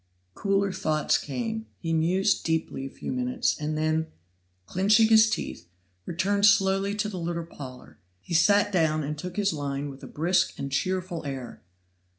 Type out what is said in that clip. Cooler thoughts came. He mused deeply a few minutes, and then, clinching his teeth, returned slowly to the little parlor: he sat down and took his line with a brisk and cheerful air.